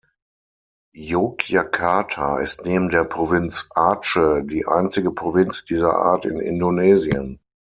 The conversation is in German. Yogyakarta ist neben der Provinz Aceh die einzige Provinz dieser Art in Indonesien.